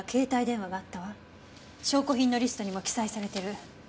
証拠品のリストにも記載されてる。